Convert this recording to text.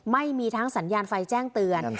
ไม่มีทั้งสัญญาณไฟแจ้งเตือน